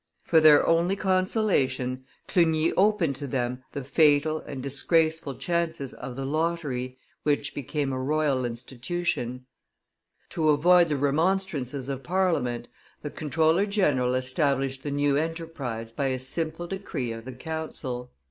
For their only consolation Clugny opened to them the fatal and disgraceful chances of the lottery, which became a royal institution. To avoid the remonstrances of Parliament, the comptroller general established the new enterprise by a simple decree of the council.